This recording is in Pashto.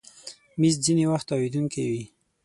مېز ځینې وخت تاوېدونکی وي.